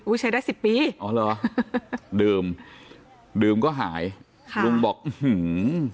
ใช้ได้สิบปีอ๋อเหรอดื่มดื่มก็หายค่ะลุงบอกอื้อหือ